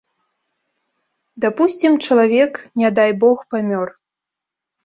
Дапусцім, чалавек, не дай бог, памёр.